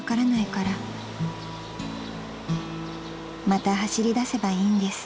［また走りだせばいいんです］